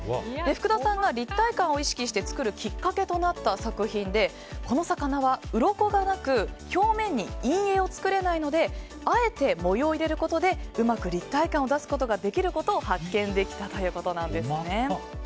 福田さんが立体感を意識して作るきっかけとなった作品でこの魚はうろこがなく表面に陰影を作れないのであえて模様を入れることでうまく立体感を出すことができることを発見できたということです。